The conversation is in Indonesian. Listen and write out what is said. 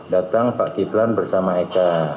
datang pak kiflan bersama eka